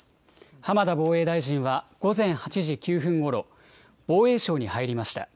浜田防衛大臣は午前８時９分ごろ、防衛省に入りました。